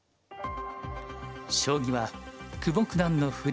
将棋は久保九段の振り